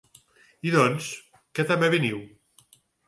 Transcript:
I doncs, que també veniu?